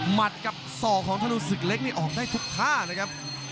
กับศอกของธนูศึกเล็กนี่ออกได้ทุกท่าเลยครับ